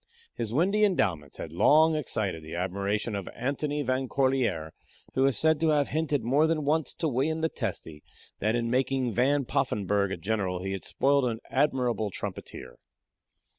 His windy endowments had long excited the admiration of Antony Van Corlear, who is said to have hinted more than once to William the Testy that in making Van Poffenburgh a general he had spoiled an admirable trumpeter.